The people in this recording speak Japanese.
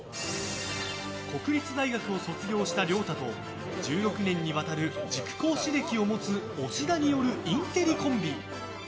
国立大学を卒業した亮太と１６年にわたる塾講師歴を持つ押田によるインテリコンビ。